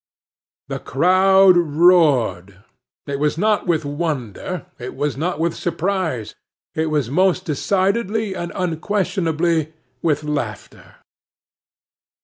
The crowd roared—it was not with wonder, it was not with surprise; it was most decidedly and unquestionably with laughter.